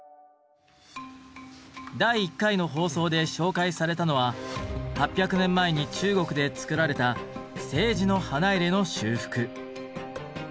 第１回の放送で紹介されたのは８００年前に中国で作られた青磁の花入の修復。